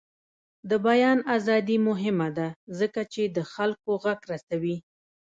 د بیان ازادي مهمه ده ځکه چې د خلکو غږ رسوي.